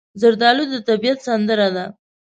زردالو د طبیعت سندره ده.